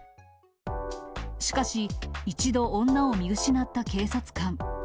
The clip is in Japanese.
しかし、一度、女を見失った警察官。